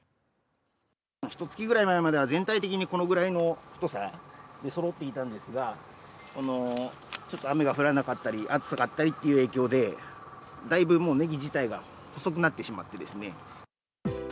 ひとつきぐらい前までは、全体的にこのぐらいの太さでそろっていたんですが、ちょっと雨が降らなかったり、暑さだったりっていう影響で、だいぶもうネギ自体が細くなってしまってですね。